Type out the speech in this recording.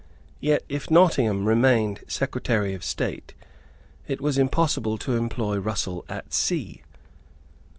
Yet, if Nottingham remained Secretary of State, it was impossible to employ Russell at sea.